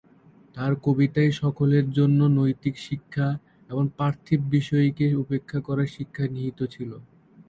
তার কবিতায় সকলের জন্য নৈতিক শিক্ষা এবং পার্থিব বিষয়কে উপেক্ষা করার শিক্ষা নিহিত ছিল।